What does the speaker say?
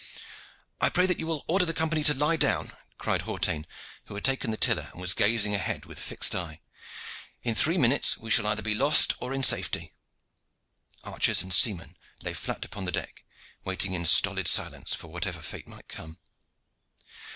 "I pray you that you will order the Company to lie down," cried Hawtayne, who had taken the tiller and was gazing ahead with a fixed eye. "In three minutes we shall either be lost or in safety." Archers and seamen lay flat upon the deck, waiting in stolid silence for whatever fate might come.